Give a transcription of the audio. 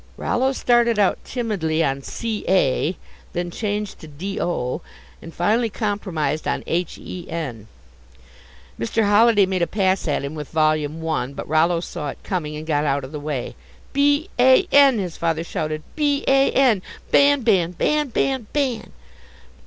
Rollo started out timidly on c a then changed to d o, and finally compromised on h e n. Mr. Holiday made a pass at him with Volume I, but Rollo saw it coming and got out of the way. "B a n!" his father shouted, "B a n, Ban! Ban! Ban! Ban! Ban!